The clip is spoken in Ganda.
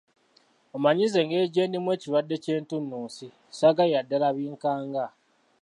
Omanyi nze engeri gye ndimu ekirwadde ky’entunnunsi saagalira ddala binkanga.